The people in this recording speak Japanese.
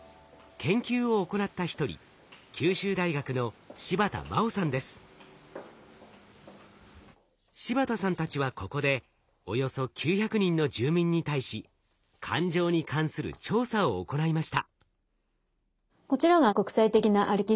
研究を行った一人柴田さんたちはここでおよそ９００人の住民に対し感情に関する調査を行いました。